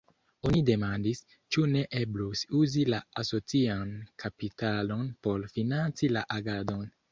Oni demandis, ĉu ne eblus uzi la asocian kapitalon por financi la agadon.